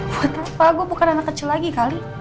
buat apa gue bukan anak kecil lagi kali